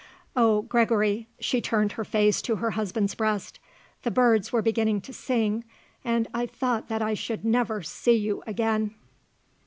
Oh, Gregory," she turned her face to her husband's breast, "the birds were beginning to sing and I thought that I should never see you again."